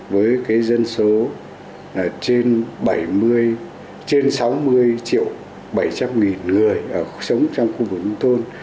với dân số trên sáu mươi triệu bảy trăm linh nghìn người sống trong khu vực nông thôn